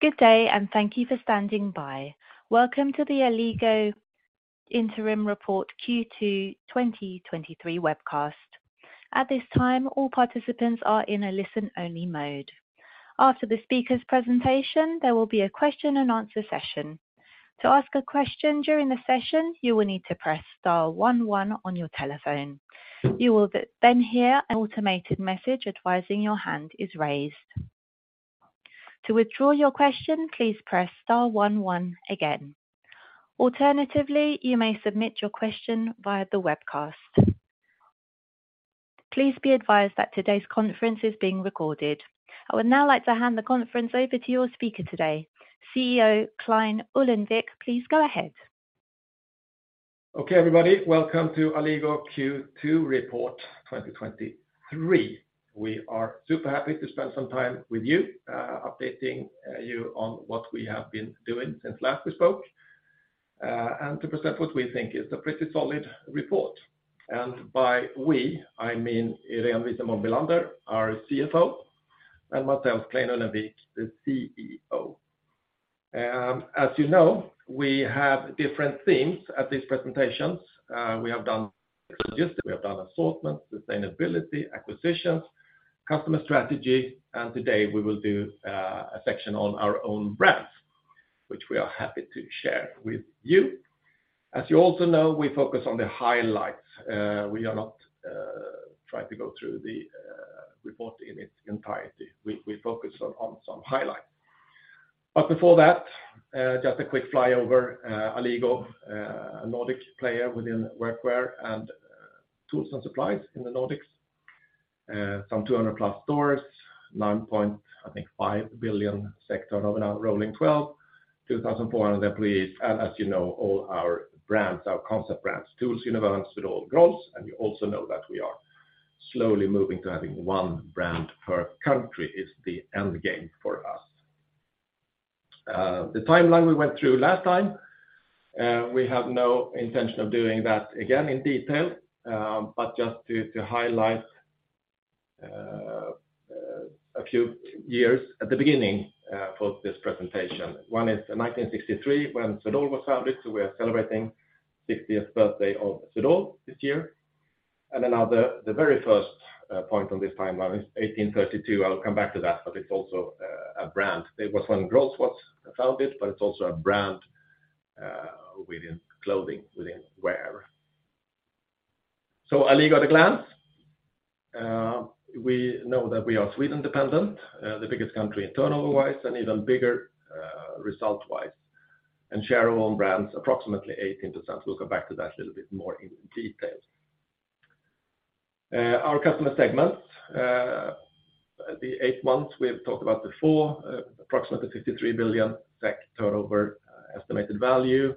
Good day, and thank you for standing by. Welcome to the Alligo interim report Q2 2023 webcast. At this time, all participants are in a listen-only mode. After the speaker's presentation, there will be a question and answer session. To ask a question during the session, you will need to press star one one on your telephone. You will then hear an automated message advising your hand is raised. To withdraw your question, please press star one one again. Alternatively, you may submit your question via the webcast. Please be advised that today's conference is being recorded. I would now like to hand the conference over to your speaker today, CEO Clein Ullenvik, please go ahead. Okay, everybody, welcome to Alligo Q2 report 2023. We are super happy to spend some time with you, updating you on what we have been doing since last we spoke, and to present what we think is a pretty solid report. By we, I mean, Irene Wisenborn Bellander, our CFO, and myself, Clein Ullenvik, the CEO. As you know, we have different themes at these presentations. We have done logistics, we have done assortment, sustainability, acquisitions, customer strategy, and today we will do a section on our own brands, which we are happy to share with you. As you also know, we focus on the highlights. We are not trying to go through the report in its entirety. We focus on some highlights. Before that, just a quick flyover, Alligo, a Nordic player within workwear and tools and supplies in the Nordics. Some 200+ stores, 9.5 billion turnover, now rolling 12 billion, 2,400 employees. As you know, all our brands, our concept brands, TOOLS, Univern, Swedol, Grolls, and you also know that we are slowly moving to having one brand per country is the end game for us. The timeline we went through last time, we have no intention of doing that again in detail, just to highlight a few years at the beginning for this presentation. One is in 1963, when Swedol was founded, we are celebrating 60th birthday of Swedol this year. Another, the very first point on this timeline is 1832. I'll come back to that, but it's also, a brand. It was when Grolls was founded, but it's also a brand, within clothing, within wear. Alligo at a glance. We know that we are Sweden-dependent, the biggest country in turnover-wise and even bigger, result-wise, and share our own brands, approximately 18%. We'll go back to that a little bit more in detail. Our customer segments, the eight months we have talked about before, approximately 53 billion SEK turnover, estimated value.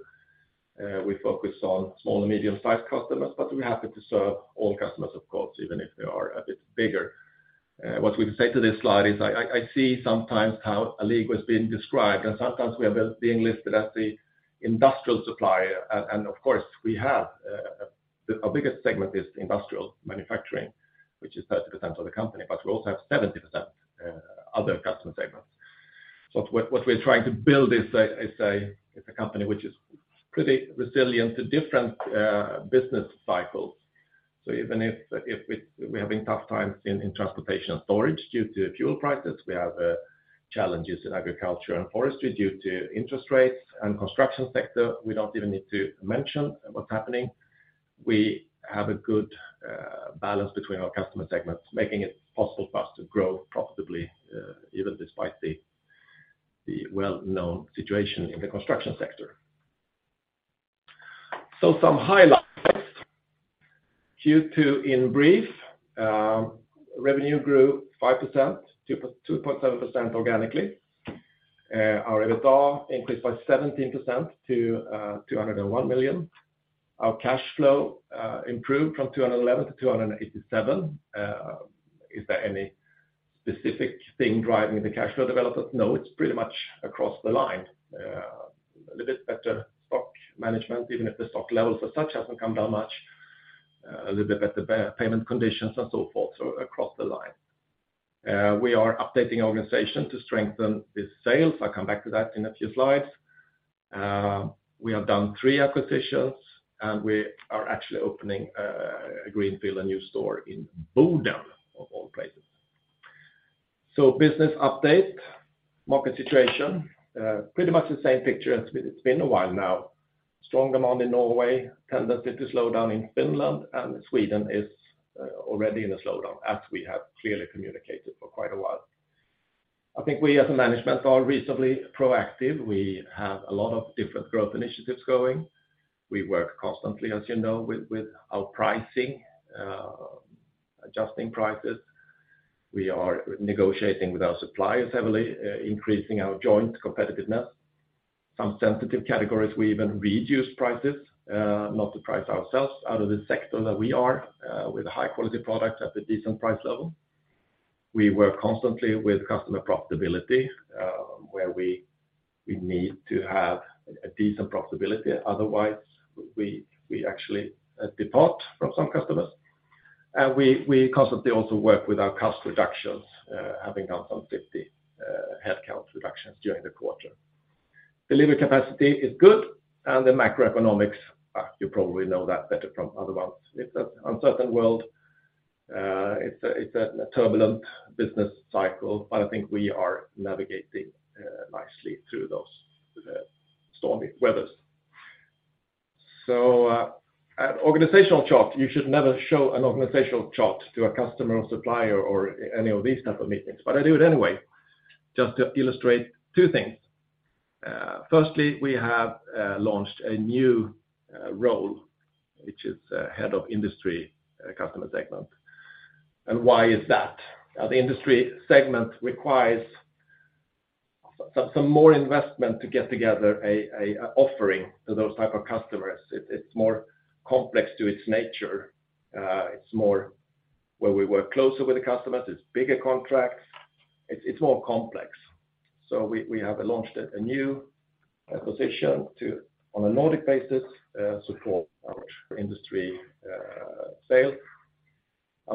We focus on small and medium-sized customers, but we're happy to serve all customers, of course, even if they are a bit bigger. What we say to this slide is I see sometimes how Alligo is being described, and sometimes we are being listed as the industrial supplier. Of course, we have our biggest segment is industrial manufacturing, which is 30% of the company, but we also have 70% other customer segments. What we're trying to build is a company which is pretty resilient to different business cycles. Even if we're having tough times in transportation and storage due to fuel prices, we have challenges in agriculture and forestry due to interest rates and construction sector. We don't even need to mention what's happening. We have a good balance between our customer segments, making it possible for us to grow profitably, even despite the well-known situation in the construction sector. Some highlights. Q2 in brief, revenue grew 5%, 2.7% organically. Our EBITDA increased by 17% to 201 million. Our cash flow improved from 211 million-287 million. Is there any specific thing driving the cash flow development? No, it's pretty much across the line. A little bit better stock management, even if the stock levels as such hasn't come down much, a little bit better payment conditions and so forth, so across the line. We are updating organization to strengthen the sales. I'll come back to that in a few slides. We have done three acquisitions. We are actually opening a greenfield, a new store in Boden, of all places. Business update, market situation, pretty much the same picture as it's been a while now. Strong demand in Norway, tendency to slow down in Finland. Sweden is already in a slowdown, as we have clearly communicated for quite a while. I think we, as a management, are reasonably proactive. We have a lot of different growth initiatives going. We work constantly, as you know, with our pricing, adjusting prices. We are negotiating with our suppliers heavily, increasing our joint competitiveness. Some sensitive categories, we even reduce prices, not to price ourselves out of the sector that we are with high-quality products at a decent price level. We work constantly with customer profitability, where we need to have a decent profitability, otherwise, we actually depart from some customers. We constantly also work with our cost reductions, having done some 50 headcount reductions during the quarter. Delivery capacity is good, the macroeconomics, you probably know that better from other ones. It's an uncertain world. It's a turbulent business cycle, but I think we are navigating nicely through those stormy weathers. An organizational chart, you should never show an organizational chart to a customer or supplier or any of these type of meetings, but I do it anyway, just to illustrate two things. Firstly, we have launched a new role, which is Head of Industry, Customer Segment. Why is that? The industry segment requires some more investment to get together a offering to those type of customers. It's more complex to its nature. It's more where we work closer with the customers, it's bigger contracts, it's more complex. We have launched a new position to, on a Nordic basis, support our industry sale.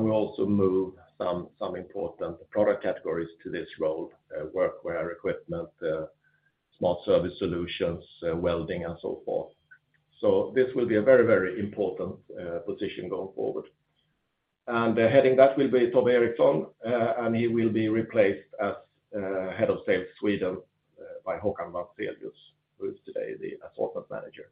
We also move some important product categories to this role, workwear, equipment, smart service solutions, welding, and so forth. This will be a very important position going forward. The heading, that will be Torbjörn Eriksson, and he will be replaced as Head of Sales, Sweden, by Håkan Wanselius, who is today the Assortment Manager.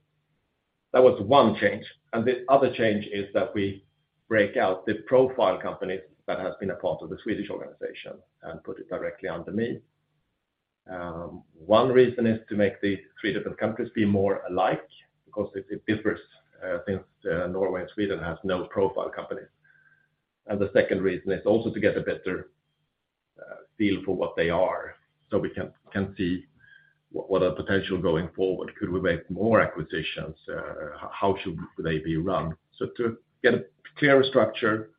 That was one change. The other change is that we break out the profile company that has been a part of the Swedish organization and put it directly under me. One reason is to make the three different countries be more alike, because it differs, since Norway and Sweden has no profile company. The second reason is also to get a better feel for what they are, so we can see what our potential going forward. Could we make more acquisitions? How should they be run? To get a clearer structure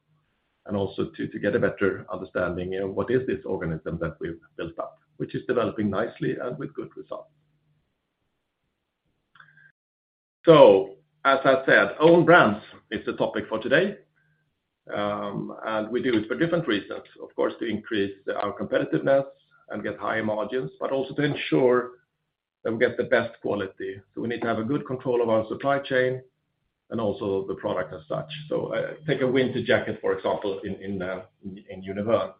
and also to get a better understanding in what is this organism that we've built up, which is developing nicely and with good results. As I said, own brands is the topic for today, and we do it for different reasons, of course, to increase our competitiveness and get higher margins, but also to ensure that we get the best quality. We need to have a good control of our supply chain and also the product as such. Take a winter jacket, for example, in Univern. It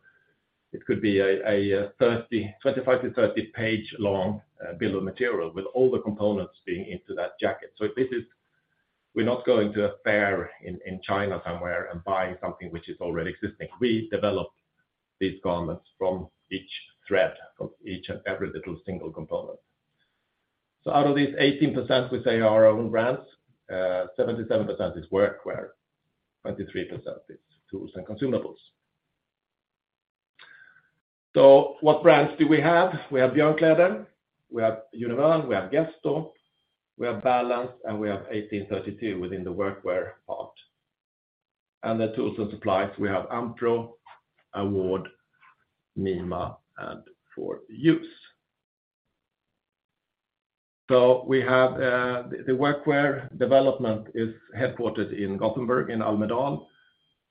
could be a 25-30-page long bill of material with all the components being into that jacket. We're not going to a fair in China somewhere and buying something which is already existing. We develop these garments from each thread, from each and every little single component. Out of these 18%, we say are our own brands, 77% is workwear, 23% is tools and consumables. What brands do we have? We have Björnkläder, we have Univern, we have Gesto, we have Balance, and we have 1832 within the workwear part. The tools and supplies, we have AmPro, AWARD, Nima, and 4-USE. We have the workwear development is headquartered in Gothenburg, in Almedal, in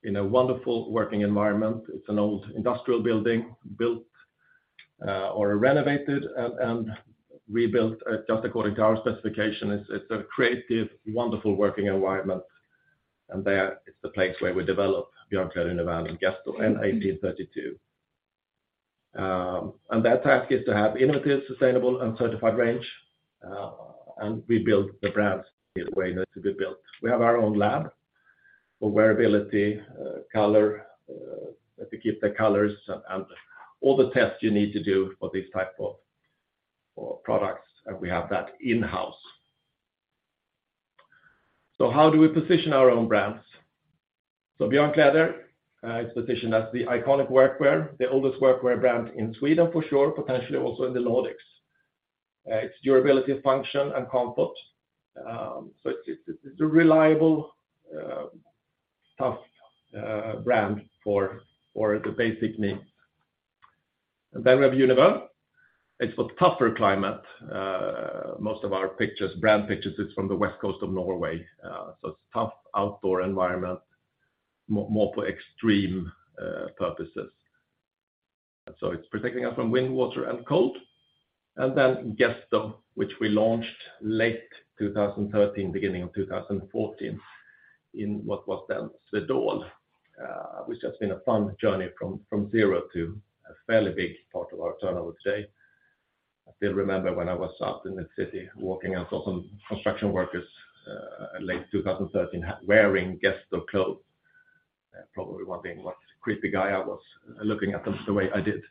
a wonderful working environment. It's an old industrial building, built or renovated and rebuilt just according to our specification. It's a creative, wonderful working environment, and there is the place where we develop Björnkläder, Univern, and Gesto, and 1832. That task is to have innovative, sustainable, and certified range, and we build the brands the way they need to be built. We have our own lab for wearability, color, to keep the colors and all the tests you need to do for these type of products, and we have that in-house. How do we position our own brands? Björnkläder is positioned as the iconic workwear, the oldest workwear brand in Sweden, for sure, potentially also in the Nordics. It's durability, function, and comfort. It's a reliable, tough brand for the basic needs. We have Univern. It's for tougher climate. Most of our pictures, brand pictures, is from the west coast of Norway. It's tough outdoor environment, more for extreme purposes. It's protecting us from wind, water, and cold. Then Gesto, which we launched late 2013, beginning of 2014, in what was then Swedol, which has been a fun journey from zero to a fairly big part of our turnover today. I still remember when I was out in the city walking, I saw some construction workers, late 2013, wearing Gesto clothes, probably wondering what creepy guy I was, looking at them the way I did.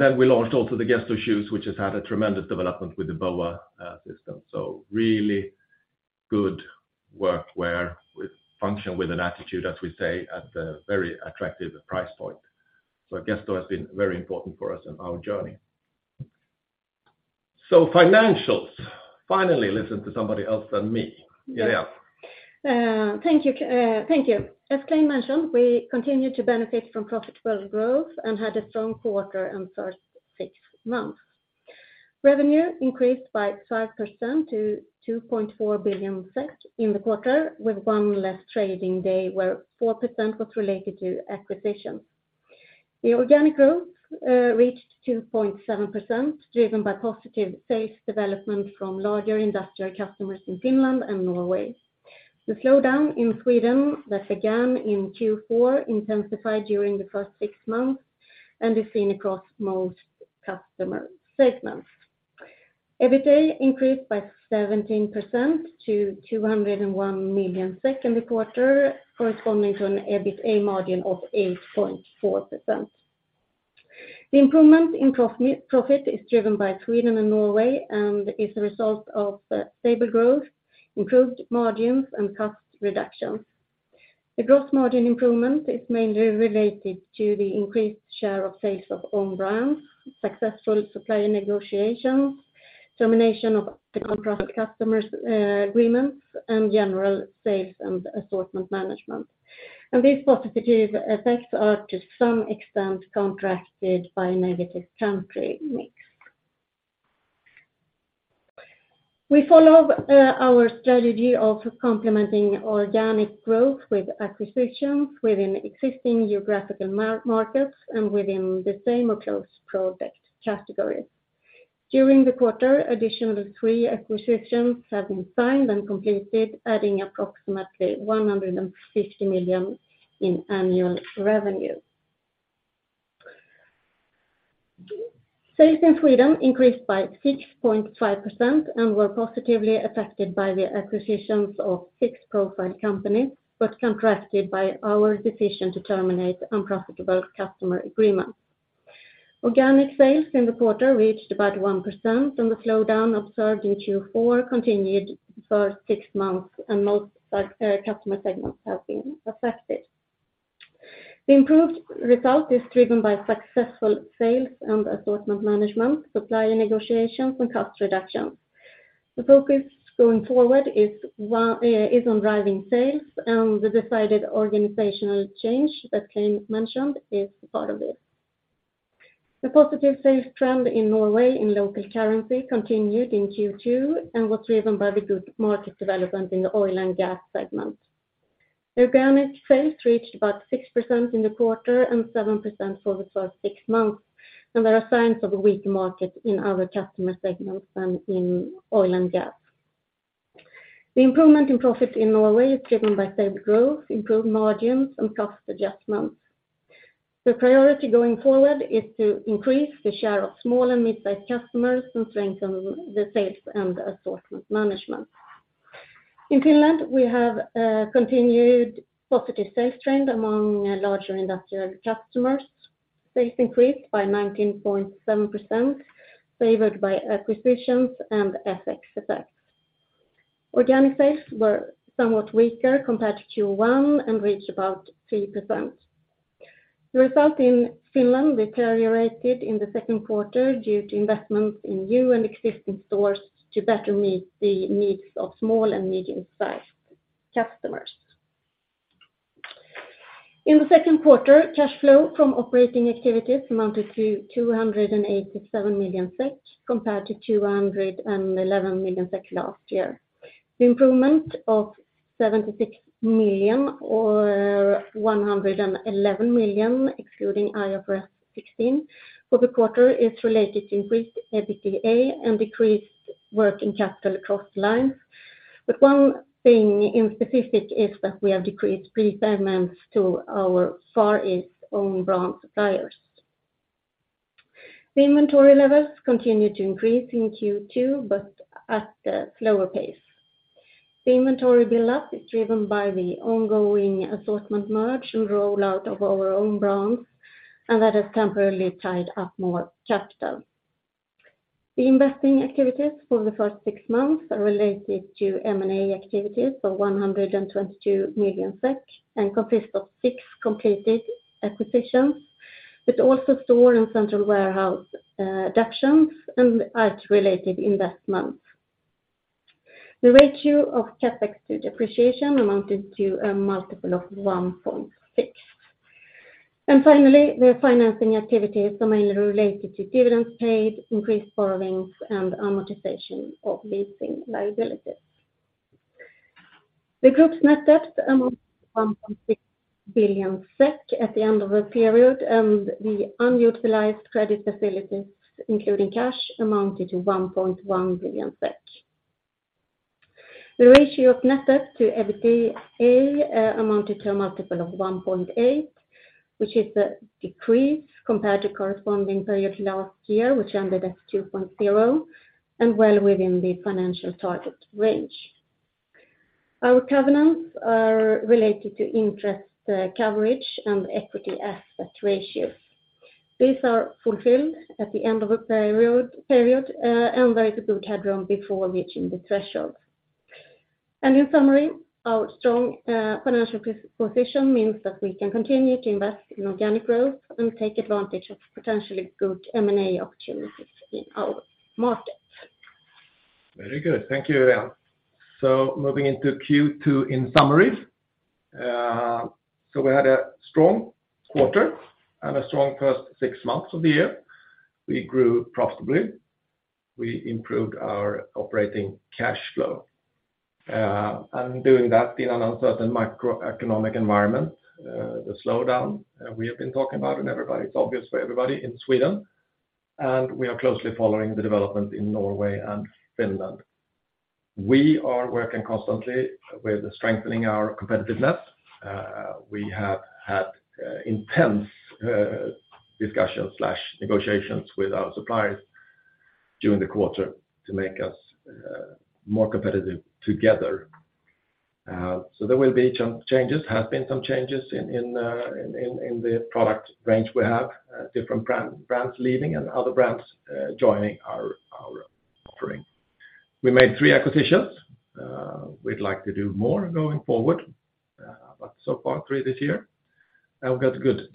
Then we launched also the Gesto shoes, which has had a tremendous development with the BOA system. Really good workwear with function, with an attitude, as we say, at a very attractive price point. Gesto has been very important for us in our journey. Financials, finally, listen to somebody else than me. Yeah. Thank you, thank you. As Clein mentioned, we continued to benefit from profitable growth and had a strong quarter and first six months. Revenue increased by 5% to 2.4 billion SEK in the quarter, with one less trading day, where 4% was related to acquisitions. The organic growth reached 2.7%, driven by positive sales development from larger industrial customers in Finland and Norway. The slowdown in Sweden that began in Q4 intensified during the first six months and is seen across most customer segments. EBITDA increased by 17% to 201 million in the quarter, corresponding to an EBITDA margin of 8.4%. The improvement in profit is driven by Sweden and Norway and is a result of stable growth, improved margins, and cost reductions. The gross margin improvement is mainly related to the increased share of sales of own brands, successful supplier negotiations, termination of the contract customers, agreements, and general sales and assortment management. These positive effects are to some extent contracted by negative country mix. We follow our strategy of complementing organic growth with acquisitions within existing geographical markets and within the same or close product categories. During the quarter, additionally, three acquisitions have been signed and completed, adding approximately 150 million in annual revenue. Sales in Sweden increased by 6.5% and were positively affected by the acquisitions of six profile companies, but contrasted by our decision to terminate unprofitable customer agreements. Organic sales in the quarter reached about 1%, and the slowdown observed in Q4 continued for six months, and most customer segments have been affected. The improved result is driven by successful sales and assortment management, supplier negotiations, and cost reductions. The focus going forward is one, is on driving sales, and the decided organizational change that Clein mentioned is part of it. The positive sales trend in Norway in local currency continued in Q2 and was driven by the good market development in the oil and gas segment. Organic sales reached about 6% in the quarter and 7% for the first six months, there are signs of a weak market in other customer segments than in oil and gas. The improvement in profit in Norway is driven by stable growth, improved margins, and cost adjustments. The priority going forward is to increase the share of small and mid-sized customers and strengthen the sales and assortment management. In Finland, we have continued positive sales trend among larger industrial customers. Sales increased by 19.7%, favored by acquisitions and FX effects. Organic sales were somewhat weaker compared to Q1 and reached about 3%. The result in Finland deteriorated in the second quarter due to investments in new and existing stores to better meet the needs of small and medium-sized customers. In the second quarter, cash flow from operating activities amounted to 287 million SEK, compared to 211 million SEK last year. The improvement of 76 million, or 111 million, excluding IFRS 16 for the quarter, is related to increased EBITDA and decreased working capital across lines. One thing in specific is that we have decreased prepayments to our Far East own brand suppliers. The inventory levels continued to increase in Q2, but at a slower pace. The inventory build up is driven by the ongoing assortment merge and rollout of our own brands, and that has temporarily tied up more capital. The investing activities for the first six months are related to M&A activities for 122 million SEK and consist of six completed acquisitions, but also store and central warehouse adaptations and IT-related investments. The ratio of CapEx to depreciation amounted to a multiple of 1.6. Finally, the financing activities are mainly related to dividends paid, increased borrowings, and amortization of leasing liabilities. The group's net debt amounts to 1.6 billion SEK at the end of the period, and the unutilized credit facilities, including cash, amounted to 1.1 billion SEK. The ratio of net debt to EBITDA amounted to a multiple of 1.8, which is a decrease compared to corresponding period last year, which ended at 2.0, and well within the financial target range. Our covenants are related to interest coverage and equity asset ratio. These are fulfilled at the end of the period, and there is a good headroom before reaching the threshold. In summary, our strong financial position means that we can continue to invest in organic growth and take advantage of potentially good M&A opportunities in our market. Very good. Thank you, Irene. Moving into Q2 in summary, we had a strong quarter and a strong first six months of the year. We grew profitably. We improved our operating cash flow, and doing that in an uncertain macroeconomic environment, the slowdown we have been talking about, and everybody, it's obvious for everybody in Sweden, and we are closely following the development in Norway and Finland. We are working constantly with strengthening our competitiveness. We have had intense discussions/negotiations with our suppliers during the quarter to make us more competitive together. There will be some changes, have been some changes in the product range we have, different brands leaving and other brands joining our offering. We made three acquisitions. We'd like to do more going forward, so far, three this year. We've got good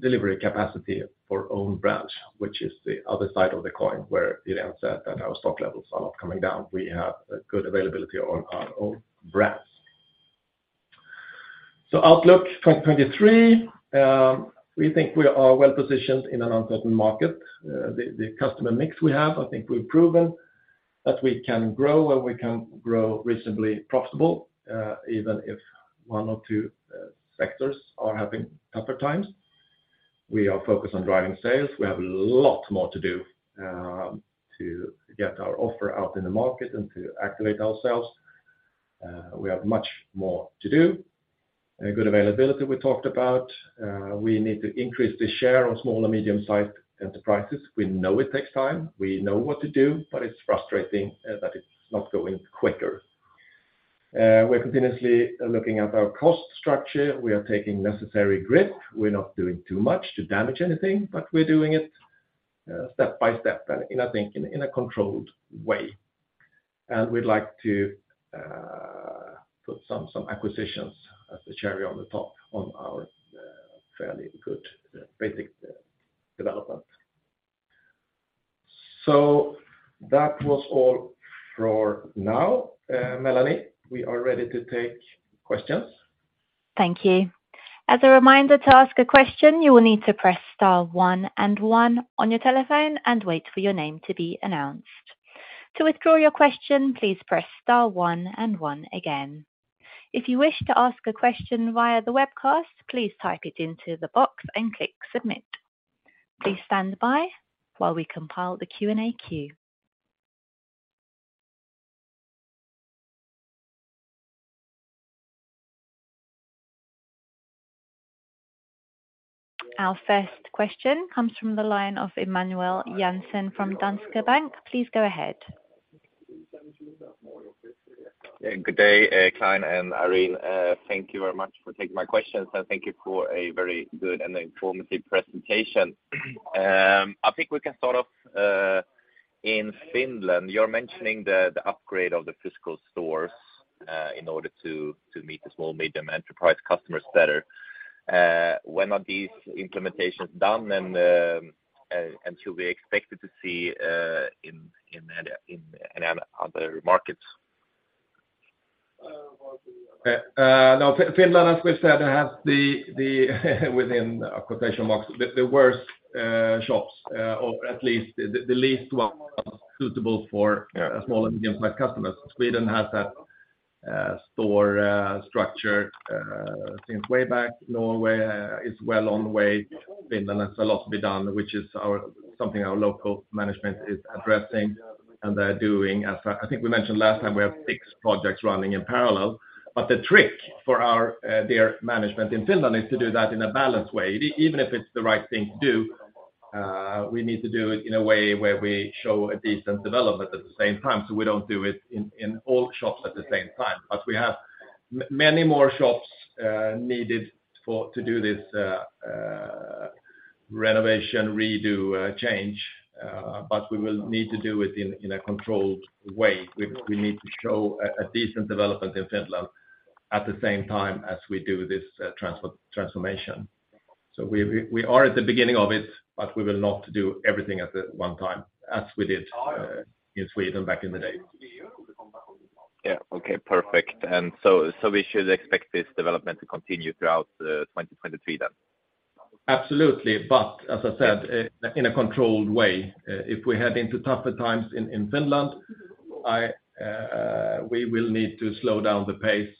delivery capacity for own brands, which is the other side of the coin, where Irene said that our stock levels are not coming down. We have a good availability on our own brands. Outlook 2023, we think we are well positioned in an uncertain market. The customer mix we have, I think we've proven that we can grow and we can grow reasonably profitable, even if one or two sectors are having tougher times. We are focused on driving sales. We have a lot more to do to get our offer out in the market and to activate ourselves. We have much more to do. A good availability we talked about. We need to increase the share on small and medium-sized enterprises. We know it takes time, we know what to do, but it's frustrating that it's not going quicker. We're continuously looking at our cost structure. We are taking necessary grip. We're not doing too much to damage anything, but we're doing it step by step and in, I think, in a controlled way. We'd like to put some acquisitions as the cherry on the top on our fairly good basic development. That was all for now. Melanie, we are ready to take questions. Thank you. As a reminder, to ask a question, you will need to press star one and one on your telephone and wait for your name to be announced. To withdraw your question, please press star one and one again. If you wish to ask a question via the webcast, please type it into the box and click Submit. Please stand by while we compile the Q&A queue. Our first question comes from the line of Emanuel Jansson from Danske Bank. Please go ahead. Good day, Clein and Irene. Thank you very much for taking my questions, and thank you for a very good and informative presentation. I think we can start off in Finland. You're mentioning the upgrade of the physical stores in order to meet the small, medium enterprise customers better. When are these implementations done, and should we expected to see in other markets? Now, Finland, as we said, has the, within quotation marks, the worst shops, or at least the least one suitable for a small and medium-sized customers. Sweden has that store structure since way back. Norway is well on the way. Finland has a lot to be done, which is something our local management is addressing, and they're doing. As I think we mentioned last time, we have six projects running in parallel. The trick for our, their management in Finland is to do that in a balanced way. Even if it's the right thing to do, we need to do it in a way where we show a decent development at the same time, so we don't do it in all shops at the same time. We have many more shops needed for, to do this renovation, redo, change, but we will need to do it in a controlled way. We need to show a decent development in Finland at the same time as we do this transformation. We are at the beginning of it, but we will not do everything at the one time as we did in Sweden back in the day. Yeah. Okay, perfect. So we should expect this development to continue throughout 2023, then? Absolutely. As I said, in a controlled way, if we head into tougher times in Finland, I, we will need to slow down the pace,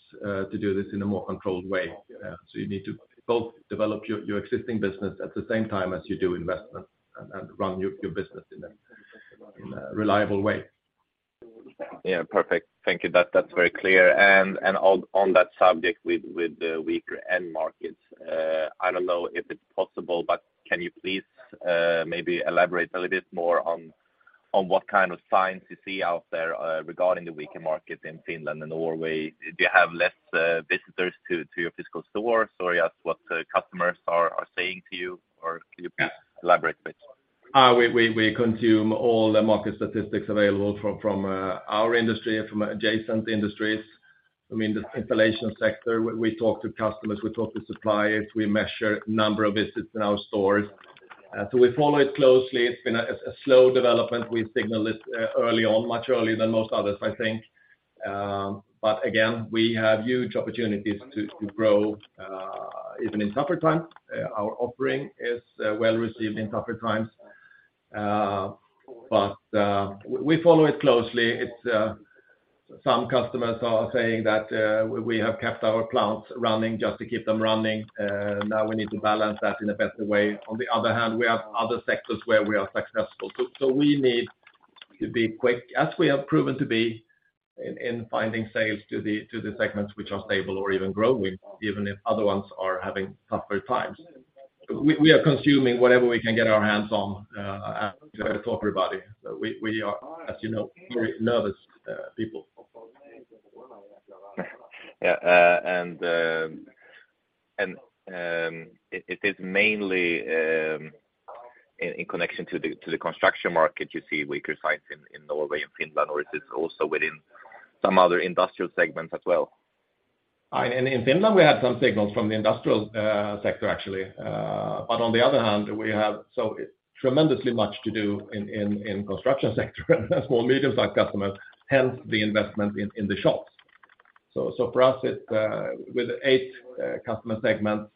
to do this in a more controlled way. You need to both develop your existing business at the same time as you do investment and run your business in a, in a reliable way. Perfect. Thank you. That's very clear. On that subject with the weaker end markets, I don't know if it's possible, but can you please maybe elaborate a little bit more on what kind of signs you see out there regarding the weaker markets in Finland and Norway? Do you have less visitors to your physical stores, or just what the customers are saying to you, or can you please elaborate a bit? We consume all the market statistics available from our industry and from adjacent industries. I mean, the installation sector, we talk to customers, we talk to suppliers, we measure number of visits in our stores. We follow it closely. It's been a slow development. We signaled it early on, much earlier than most others, I think. Again, we have huge opportunities to grow even in tougher times. Our offering is well received in tougher times. We follow it closely. It's some customers are saying that we have kept our plants running just to keep them running, now we need to balance that in a better way. On the other hand, we have other sectors where we are successful. we need to be quick, as we have proven to be in finding sales to the segments which are stable or even growing, even if other ones are having tougher times. We are consuming whatever we can get our hands on for everybody. We are, as you know, very nervous people. Yeah, it is mainly in connection to the construction market, you see weaker signs in Norway and Finland, or is this also within some other industrial segments as well? In Finland, we have some signals from the industrial sector, actually. On the other hand, we have so tremendously much to do in construction sector, small, medium-sized customers, hence the investment in the shops. For us, it's with eight customer segments,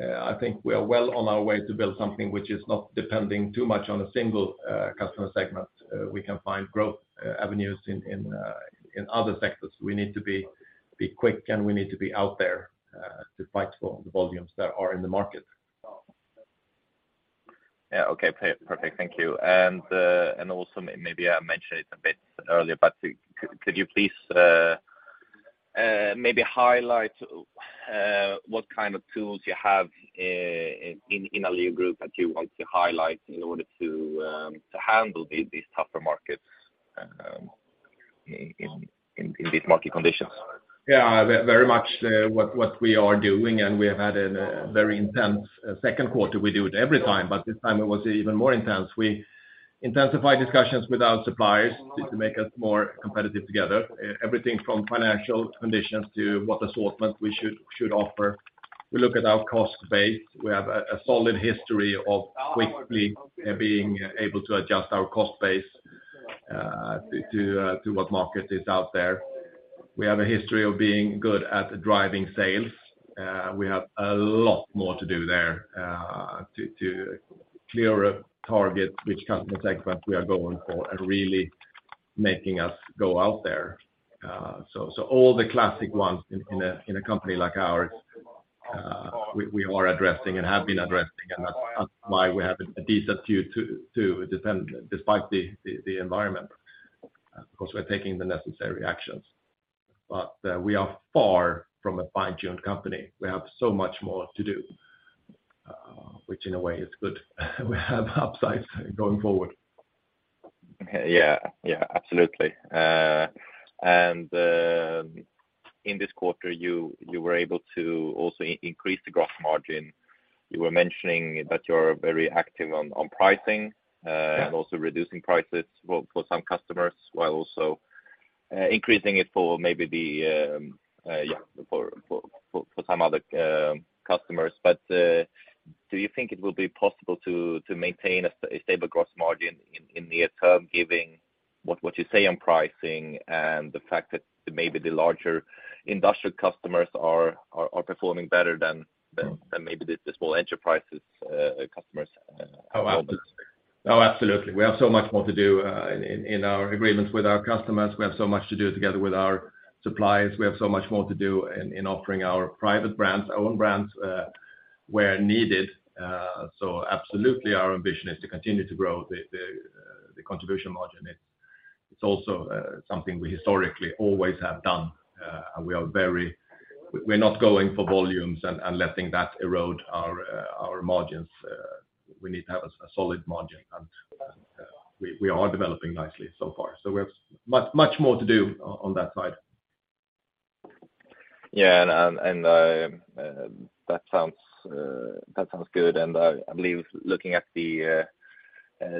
I think we are well on our way to build something which is not depending too much on a single customer segment. We can find growth avenues in other sectors. We need to be quick, and we need to be out there to fight for the volumes that are in the market. Yeah, okay. Perfect, thank you. Also maybe I mentioned it a bit earlier, but could you please maybe highlight what kind of tools you have in Alligo that you want to highlight in order to handle these tougher markets in these market conditions? Yeah, very much, what we are doing. We have had a very intense second quarter. We do it every time. This time it was even more intense. We intensified discussions with our suppliers to make us more competitive together, everything from financial conditions to what assortment we should offer. We look at our cost base. We have a solid history of quickly being able to adjust our cost base to what market is out there. We have a history of being good at driving sales. We have a lot more to do there to clear a target which customer segment we are going for, really making us go out there. All the classic ones in a company like ours, we are addressing and have been addressing, and that's why we have a decent Q2 to defend despite the environment, because we're taking the necessary actions. We are far from a fine-tuned company. We have so much more to do, which in a way is good. We have upsides going forward. Yeah. Yeah, absolutely. In this quarter, you were able to also increase the gross margin. You were mentioning that you're very active on pricing... Yeah and also reducing prices for some customers, while also increasing it for maybe for some other customers. Do you think it will be possible to maintain a stable gross margin in near term, given what you say on pricing and the fact that maybe the larger industrial customers are performing better than, than maybe the small enterprises, customers? Absolutely. We have so much more to do in our agreements with our customers. We have so much to do together with our suppliers. We have so much more to do in offering our private brands, our own brands, where needed. Absolutely, our ambition is to continue to grow the contribution margin. It's also something we historically always have done, and we're not going for volumes and letting that erode our margins. We need to have a solid margin, and we are developing nicely so far. We have much, much more to do on that side. Yeah, and that sounds good. I believe looking at the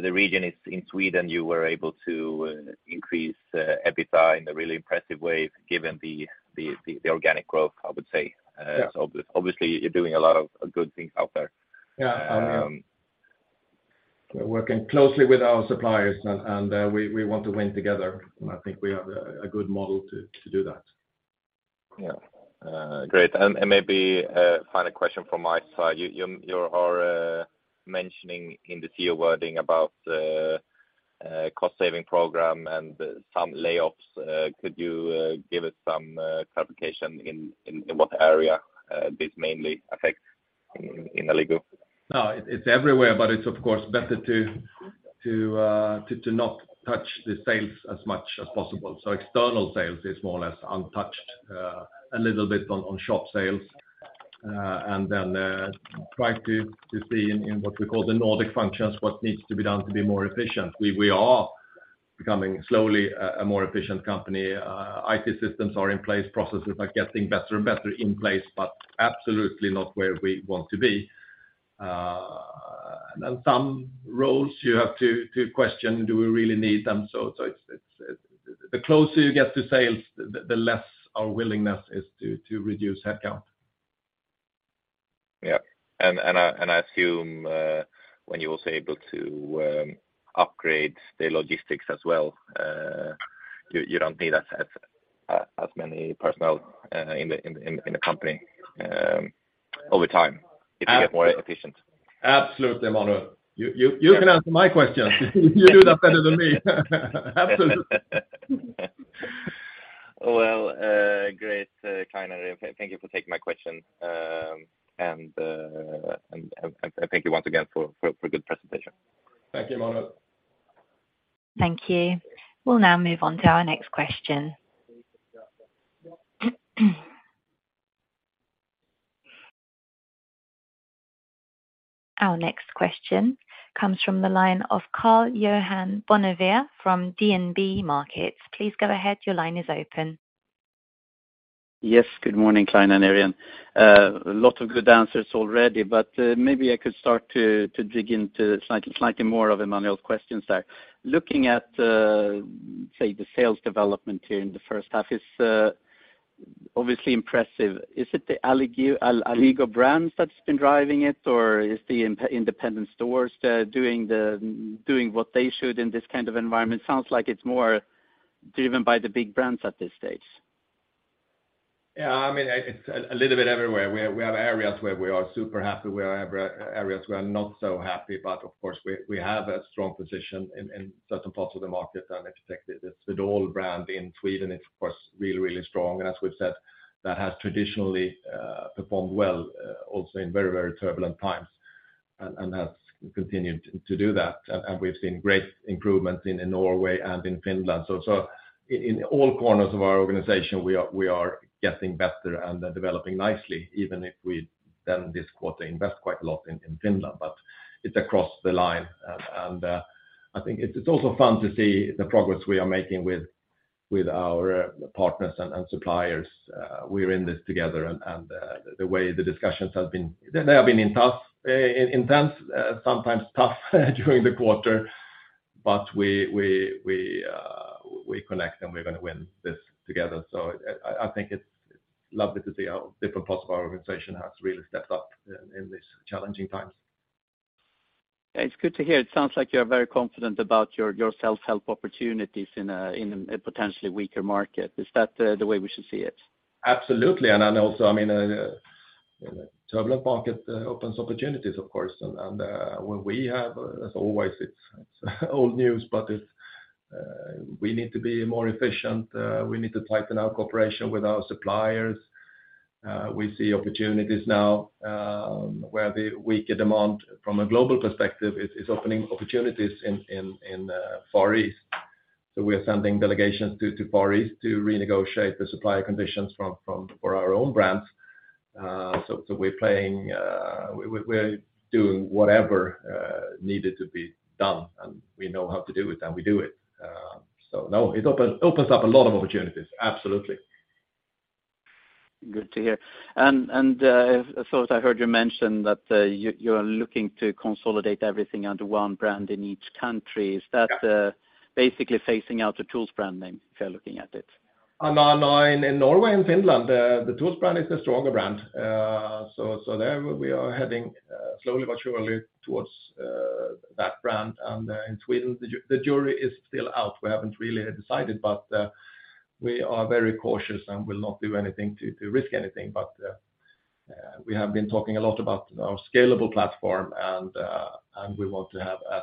region in Sweden, you were able to increase EBITDA in a really impressive way, given the organic growth, I would say. Yeah. Obviously, you're doing a lot of good things out there. Yeah. We're working closely with our suppliers, and we want to win together, and I think we have a good model to do that. Yeah, great. Maybe, final question from my side. You are mentioning in the tier wording about the cost saving program and some layoffs. Could you give us some clarification in what area this mainly affect in Alligo? No, it's everywhere, but it's of course, better to not touch the sales as much as possible. External sales is more or less untouched, a little bit on shop sales. Then try to see in what we call the Nordic functions, what needs to be done to be more efficient. We are becoming slowly a more efficient company. IT systems are in place, processes are getting better and better in place, absolutely not where we want to be. Then some roles you have to question, do we really need them? It's the closer you get to sales, the less our willingness is to reduce headcount. Yeah. I assume, when you're also able to upgrade the logistics as well, you don't need as many personnel in the company, over time, if you get more efficient? Absolutely, Emanuel. You can answer my question. You do that better than me. Absolutely. Well, great, Clein. Thank you for taking my question. Thank you once again for a good presentation. Thank you, Emanuel. Thank you. We'll now move on to our next question. Our next question comes from the line of Karl-Johan Bonnevier from DNB Markets. Please go ahead. Your line is open. Good morning, Clein and Irene. A lot of good answers already, maybe I could start to dig into slightly more of Emanuel's questions there. Looking at, say, the sales development here in the first half, it's obviously impressive. Is it the Alligo brands that's been driving it, or is the independent stores doing what they should in this kind of environment? Sounds like it's more driven by the big brands at this stage. Yeah, I mean, it's a little bit everywhere. We have areas where we are super happy. We have areas we are not so happy. Of course, we have a strong position in certain parts of the market. I expect it. The Swedol brand in Sweden is, of course, really strong. As we've said, that has traditionally performed well also in very turbulent times and has continued to do that. We've seen great improvements in Norway and in Finland. In all corners of our organization, we are getting better and developing nicely, even if we then this quarter invest quite a lot in Finland. It's across the line. I think it's also fun to see the progress we are making with our partners and suppliers. We are in this together, and the way the discussions have been, they have been intense, sometimes tough, during the quarter. We connect, and we're gonna win this together. I think it's lovely to see how different parts of our organization has really stepped up in these challenging times. It's good to hear. It sounds like you're very confident about your self-help opportunities in a, in a potentially weaker market. Is that the way we should see it? Absolutely. Also, I mean, turbulent market opens opportunities, of course. When we have, as always, it's old news, but it's, we need to be more efficient, we need to tighten our cooperation with our suppliers. We see opportunities now where the weaker demand from a global perspective is opening opportunities in Far East. We are sending delegations to Far East to renegotiate the supplier conditions from for our own brands. We're doing whatever needed to be done, and we know how to do it, and we do it. No, it opens up a lot of opportunities, absolutely. Good to hear. I heard you mention that you're looking to consolidate everything under one brand in each country. Yeah. Is that, basically phasing out the TOOLS brand name, if you're looking at it? Norway and Finland, the TOOLS brand is the stronger brand. So there we are heading slowly but surely towards that brand. In Sweden, the jury is still out. We haven't really decided, but we are very cautious and will not do anything to risk anything. We have been talking a lot about our scalable platform, and we want to have as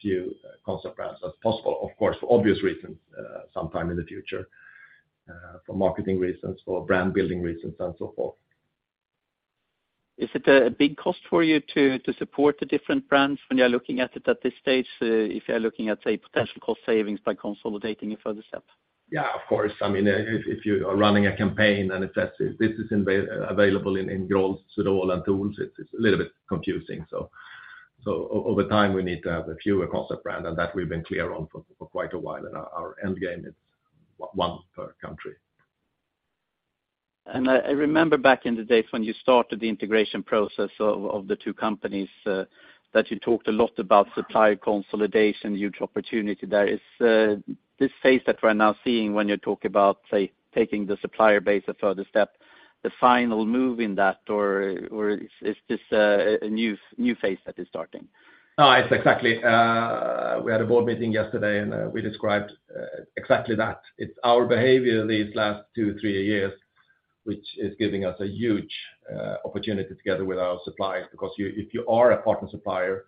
few concept brands as possible, of course, for obvious reasons, sometime in the future, for marketing reasons, for brand building reasons, and so forth. Is it a big cost for you to support the different brands when you're looking at it at this stage, if you're looking at, say, potential cost savings by consolidating a further step? Yeah, of course. I mean, if you are running a campaign, and if that's, this is available in Grolls, Swedol and TOOLS, it's a little bit confusing. Over time, we need to have a fewer concept brand, and that we've been clear on for quite a while, and our end game is one per country. I remember back in the days when you started the integration process of the two companies that you talked a lot about supplier consolidation, huge opportunity there. Is this phase that we're now seeing, when you talk about, say, taking the supplier base a further step, the final move in that, or is this a new phase that is starting? It's exactly. We had a board meeting yesterday, we described exactly that. It's our behavior these last two, three years, which is giving us a huge opportunity together with our suppliers. You, if you are a partner supplier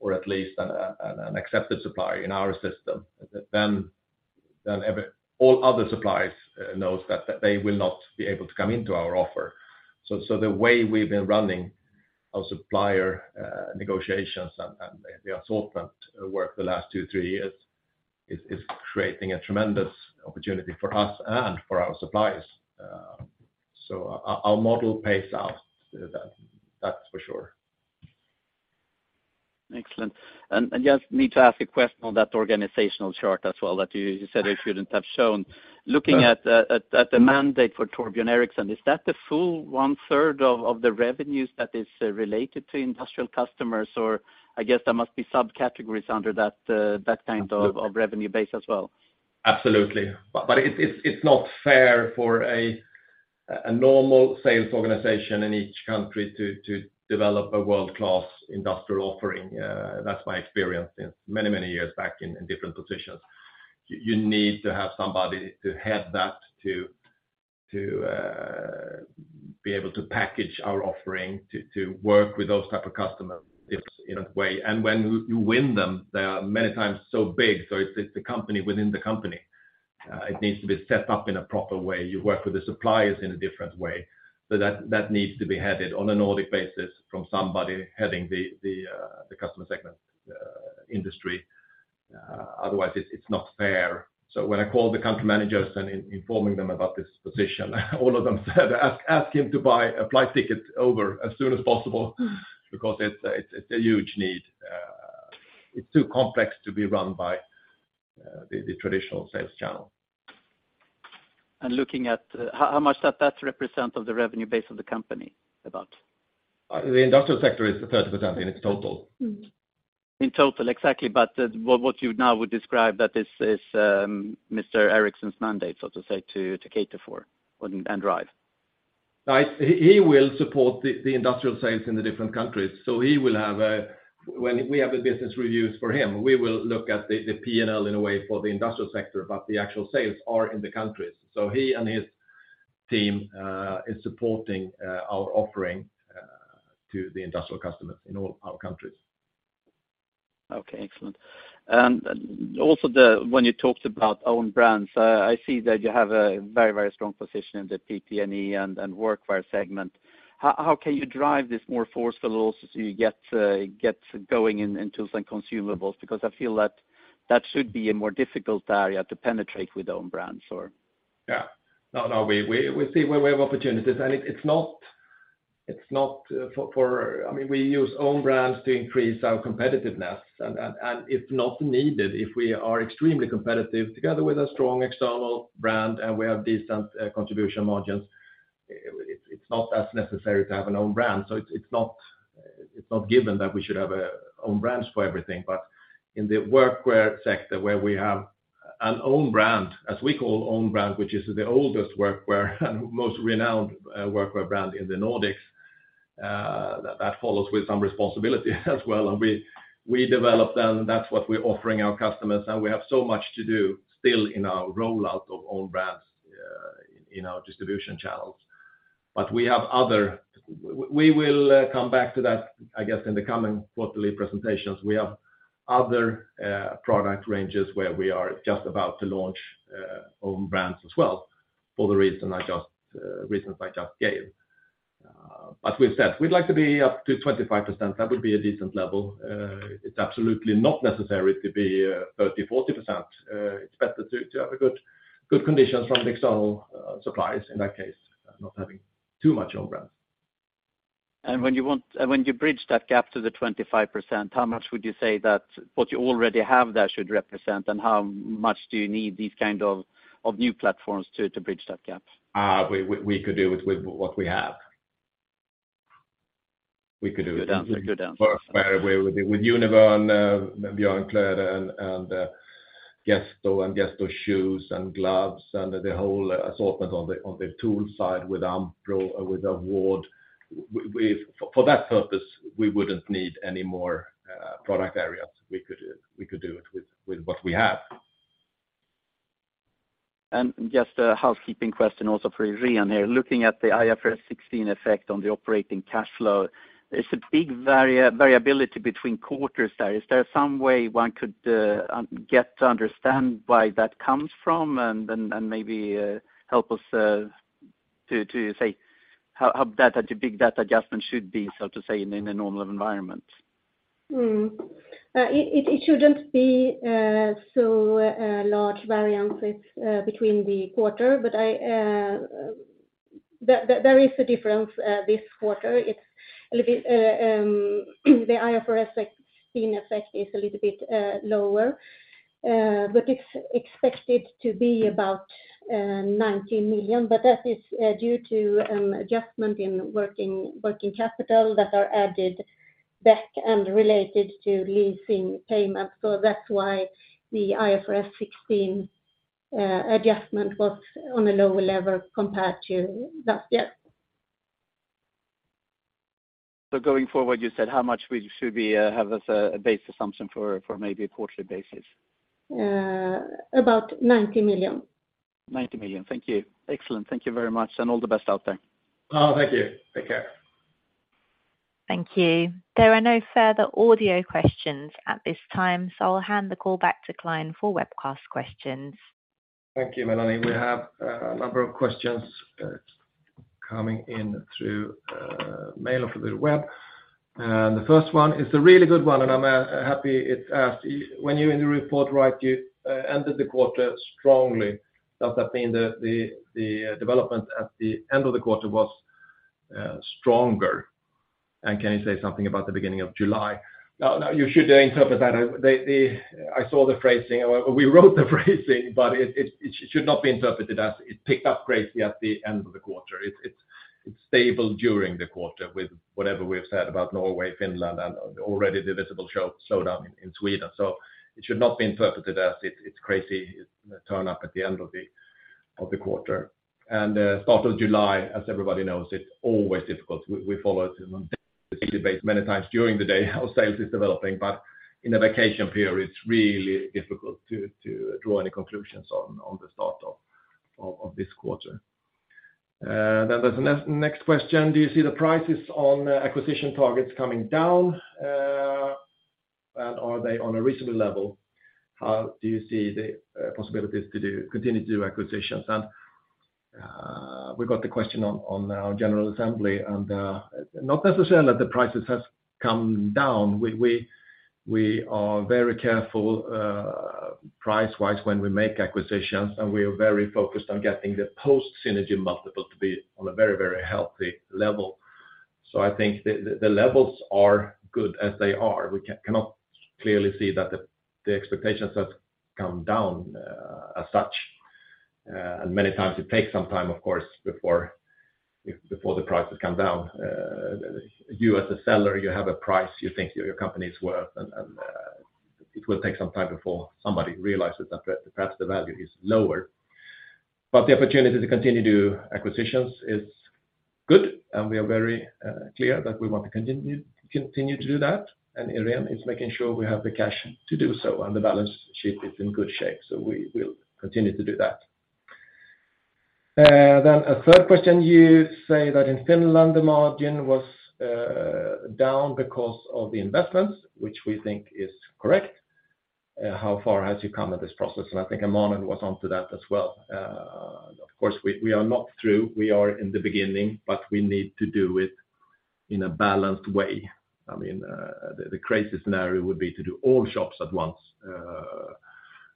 or at least an accepted supplier in our system, then all other suppliers knows that they will not be able to come into our offer. The way we've been running our supplier negotiations and the assortment work the last two, three years is creating a tremendous opportunity for us and for our suppliers. Our model pays out. That's for sure. Excellent. Just need to ask a question on that organizational chart as well, that you said you shouldn't have shown. Yeah. Looking at the mandate for Torbjörn Eriksson, is that the full one-third of the revenues that is related to industrial customers? I guess there must be subcategories under that. of revenue base as well. Absolutely. It's not fair a normal sales organization in each country to develop a world-class industrial offering, that's my experience in many years back in different positions. You need to have somebody to head that to be able to package our offering, to work with those type of customers, if in a way, and when you win them, they are many times so big, so it's a company within the company. It needs to be set up in a proper way. You work with the suppliers in a different way, so that needs to be headed on a Nordic basis from somebody heading the customer segment industry. Otherwise, it's not fair. When I call the country managers and informing them about this position, all of them said, "Ask him to buy a flight ticket over as soon as possible," because it's a huge need. It's too complex to be run by the traditional sales channel. Looking at, how much does that represent of the revenue base of the company, about? The industrial sector is 30% in its total. In total, exactly, what you now would describe that is, Mr. Eriksson's mandate, so to say, to cater for and drive? He will support the industrial sales in the different countries, so he will have when we have business reviews for him, we will look at the P&L in a way for the industrial sector, but the actual sales are in the countries. He and his team is supporting our offering to the industrial customers in all our countries. Okay, excellent. Also the, when you talked about own brands, I see that you have a very strong position in the PPE and workwear segment. How can you drive this more forceful also, so you get going in tools and consumables? Because I feel that should be a more difficult area to penetrate with own brands. Yeah. No, we see where we have opportunities, and it's not, I mean, we use own brands to increase our competitiveness, and it's not needed if we are extremely competitive together with a strong external brand, and we have decent contribution margins. It's not as necessary to have an own brand, so it's not given that we should have own brands for everything. In the workwear sector, where we have an own brand, as we call own brand, which is the oldest workwear and most renowned workwear brand in the Nordics, that follows with some responsibility as well. We develop them, and that's what we're offering our customers, and we have so much to do still in our rollout of own brands in our distribution channels. We will come back to that, I guess, in the coming quarterly presentations. We have other product ranges where we are just about to launch own brands as well, for the reasons I just gave. We've said we'd like to be up to 25%. That would be a decent level. It's absolutely not necessary to be 30%, 40%. It's better to have good conditions from the external suppliers, in that case, not having too much own brands. When you bridge that gap to the 25%, how much would you say that what you already have there should represent, and how much do you need these kind of new platforms to bridge that gap? We could do it with what we have. We could do it- Good answer, good answer. With Univern, and Björnkläder, and Gesto, and Gesto shoes and gloves, and the whole assortment on the tool side with AmPro, with AWARD. We, for that purpose, we wouldn't need any more product areas. We could do it with what we have. Just a housekeeping question also for Irene here. Looking at the IFRS 16 effect on the operating cash flow, there's a big variability between quarters there. Is there some way one could get to understand where that comes from, and maybe help us to say how that, the big data adjustment should be, so to say, in a normal environment? It shouldn't be so large variances between the quarter, but I. There is a difference this quarter. It's a little bit the IFRS 16 effect is a little bit lower, but it's expected to be about 90 million. That is due to adjustment in working capital that are added back and related to leasing payments. That's why the IFRS 16 adjustment was on a lower level compared to last year. Going forward, you said, how much we should have as a base assumption for maybe a quarterly basis? About 90 million. 90 million. Thank you. Excellent. Thank you very much, and all the best out there. Oh, thank you. Take care. Thank you. There are no further audio questions at this time, so I'll hand the call back to Clein for webcast questions. Thank you, Melanie. We have a number of questions coming in through mail of the web. The first one is a really good one, and I'm happy it asked. When you in the report write you ended the quarter strongly, does that mean the development at the end of the quarter was stronger? Can you say something about the beginning of July? Now, you should interpret that I saw the phrasing, or we wrote the phrasing. It should not be interpreted as it picked up greatly at the end of the quarter. It stable during the quarter with whatever we have said about Norway, Finland, and already the visible slowdown in Sweden. It should not be interpreted as it's crazy turn up at the end of the quarter. Start of July, as everybody knows, it's always difficult. We follow it many times during the day, how sales is developing, but in a vacation period, it's really difficult to draw any conclusions on the start of this quarter. There's the next question: Do you see the prices on acquisition targets coming down? Are they on a reasonable level? How do you see the possibilities to continue to do acquisitions? We got the question on our general assembly, and not necessarily that the prices has come down. We are very careful price-wise when we make acquisitions, and we are very focused on getting the post-synergy multiple to be on a very, very healthy level. I think the, the levels are good as they are. We cannot clearly see that the expectations have come down as such. Many times it takes some time, of course, before the prices come down. You as a seller, you have a price you think your company is worth, and it will take some time before somebody realizes that perhaps the value is lower. The opportunity to continue to do acquisitions is good, and we are very clear that we want to continue to do that. Irene is making sure we have the cash to do so, and the balance sheet is in good shape, so we will continue to do that. A third question: You say that in Finland, the margin was down because of the investments, which we think is correct. How far has you come in this process? I think Emanuel was onto that as well. Of course, we are not through, we are in the beginning, but we need to do it in a balanced way. I mean, the crazy scenario would be to do all shops at once,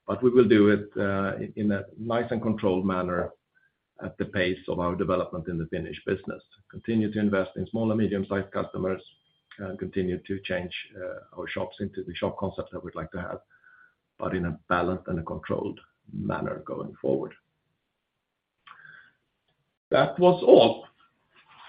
but we will do it in a nice and controlled manner at the pace of our development in the Finnish business. Continue to invest in small and medium-sized customers, and continue to change, our shops into the shop concepts that we'd like to have, but in a balanced and a controlled manner going forward. That was all.